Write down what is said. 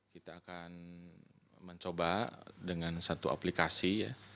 kita akan mencoba dengan satu aplikasi